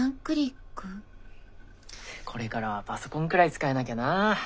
これからはパソコンくらい使えなきゃなあ。